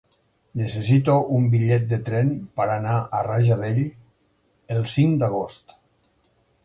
Necessito un bitllet de tren per anar a Rajadell el cinc d'agost.